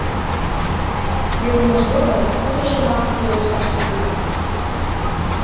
— Илымыж годым уто шомакым пелешташ лӱдынам.